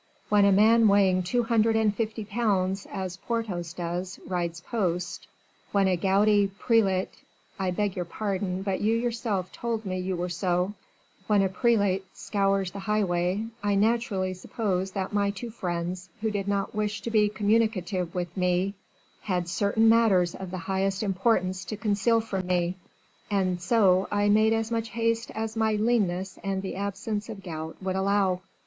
When a man weighing two hundred and fifty pounds, as Porthos does, rides post; when a gouty prelate I beg your pardon, but you yourself told me you were so when a prelate scours the highway I naturally suppose that my two friends, who did not wish to be communicative with me, had certain matters of the highest importance to conceal from me, and so I made as much haste as my leanness and the absence of gout would allow."